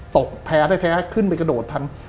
แพ้แท้ขึ้นไปกระโดดทัน